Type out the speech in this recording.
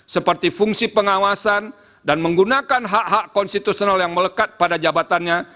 seperti fungsi pengawasan dan menggunakan hak hak konstitusional yang melekat pada jabatannya